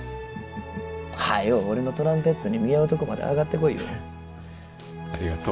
早う俺のトランペットに見合うとこまで上がってこいよ。